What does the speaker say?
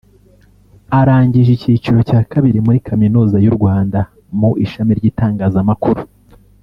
arangije icyiciro cya kabiri muri Kaminuza y’U Rwanda mu ishami ry’itangazamakuru